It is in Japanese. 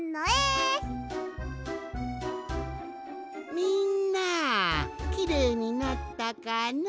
みんなきれいになったかのう？